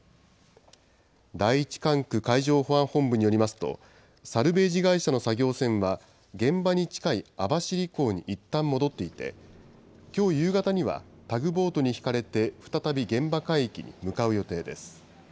第１管区海上保安本部によりますと、サルベージ会社の作業船は現場に近い網走港にいったん戻っていて、きょう夕方にはタグボートに引かれて、再び現場海域に向かう予定です。